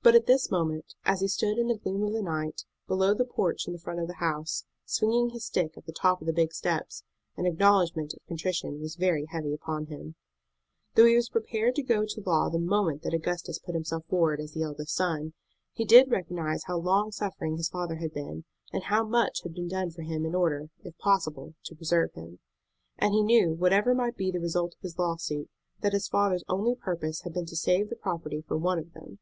But at this moment, as he stood in the gloom of the night, below the porch in the front of the house, swinging his stick at the top of the big steps, an acknowledgment of contrition was very heavy upon him. Though he was prepared to go to law the moment that Augustus put himself forward as the eldest son, he did recognize how long suffering his father had been, and how much had been done for him in order, if possible, to preserve him. And he knew, whatever might be the result of his lawsuit, that his father's only purpose had been to save the property for one of them.